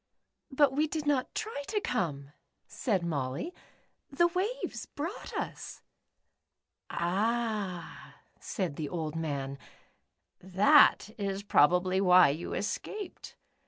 "But we did not tr\ to come." said Molly, "the waves brouofht us." ^^■ ••.\h." said the old man. "that is probably whv vou escaped.